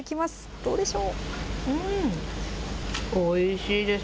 どうでしょう？